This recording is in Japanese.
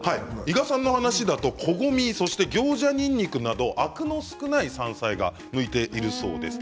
伊賀さんの話だとこごみそして行者にんにくなどアクの少ない山菜が向いているそうです。